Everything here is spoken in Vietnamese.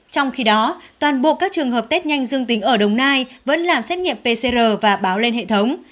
trong khi đó toàn bộ các trường hợp test nhanh dương tính ở đồng nai vẫn làm xét nghiệm pcr và báo lên hệ thống